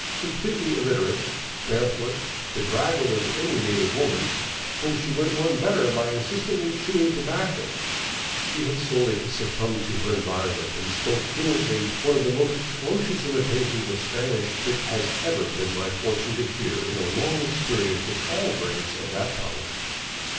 Completely illiterate, barefoot, bedraggled as any native woman, whom she went one better by incessantly chewing tobacco, she had wholly succumbed to her environment, and spoke fluently one of the most atrocious imitations of Spanish it has ever been my fortune to hear in a long experience with all grades of that tongue.